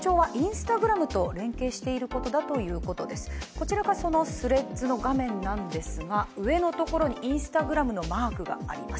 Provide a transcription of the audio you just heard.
こちらがそのＴｈｒｅａｄｓの画面なんですが上のところにＩｎｓｔａｇｒａｍのマークがあります。